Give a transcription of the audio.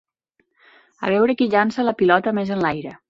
A veure qui llança la pilota més enlaire!